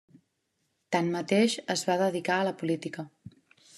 Tanmateix es va dedicar a la política.